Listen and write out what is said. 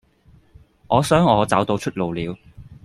我想我找到出路了